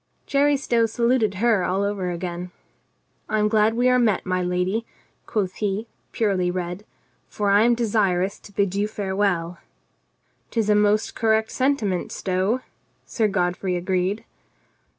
Jerry Stow saluted her all over again. "I am glad we are met, my lady," quoth he, purely red, "for I am desirous to bid you farewell." " 'Tis a most correct sentiment, Stow," Sir God frey agreed.